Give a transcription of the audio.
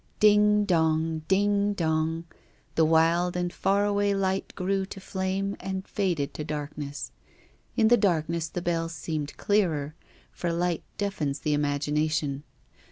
Ding dong ! Ding dong! The wild and far away light grew to flame and faded to darkness. In the darkness the bells seemed clearer, for light deafens the imag ination.